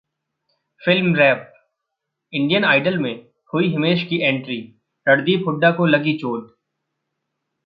FilmWrap: Indian Idol में हुई हिमेश की एंट्री, रणदीप हुड्डा को लगी चोट